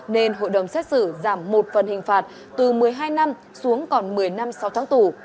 nên hội đồng xét xử giảm một phần hình phạt từ một mươi hai năm xuống còn một mươi năm sau tháng tù